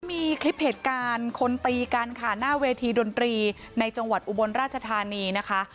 มีคลิปเหตุการณ์คนตีกันค่ะหน้าเวทีดนตรีในจังหวัดอุบลราชธานีนะคะ